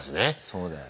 そうだよ。